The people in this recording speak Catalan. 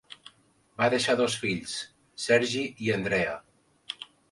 Va deixar dos fills, Sergi i Andrea.